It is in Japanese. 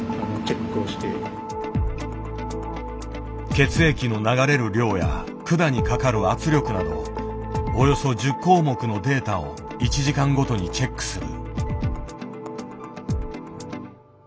血液の流れる量や管にかかる圧力などおよそ１０項目のデータを１時間ごとにチェックする。